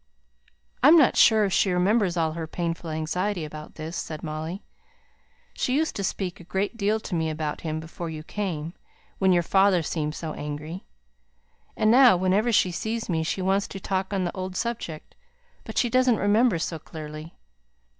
"I'm not sure if she remembers all her painful anxiety about this," said Molly. "She used to speak a great deal to me about him before you came, when your father seemed so angry. And now, whenever she sees me she wants to talk on the old subject; but she doesn't remember so clearly.